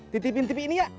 titipin tipe ini ya